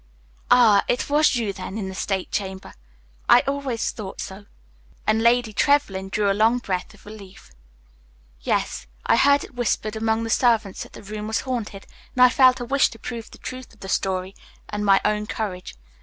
"Ah, it was you, then, in the state chamber; I always thought so," and Lady Trevlyn drew a long breath of relief. "Yes, I heard it whispered among the servants that the room was haunted, and I felt a wish to prove the truth of the story and my own courage.